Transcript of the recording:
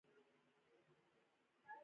ایا کله مو ادرار کې وینه لیدلې؟